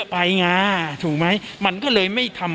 สั่งเลย